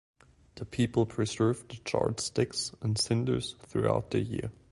The people preserve the charred sticks and cinders throughout the year.